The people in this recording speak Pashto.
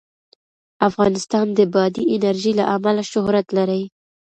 افغانستان د بادي انرژي له امله شهرت لري.